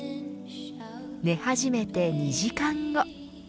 寝始めて２時間後。